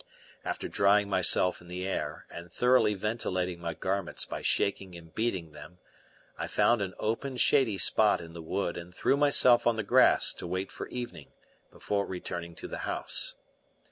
After drying myself in the air, and thoroughly ventilating my garments by shaking and beating them, I found an open, shady spot in the wood and threw myself on the grass to wait for evening before returning to the house.